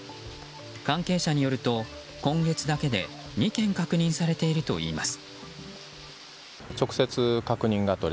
関係者によると今月だけで２件確認されているといいます。